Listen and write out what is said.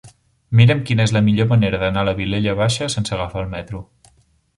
Mira'm quina és la millor manera d'anar a la Vilella Baixa sense agafar el metro.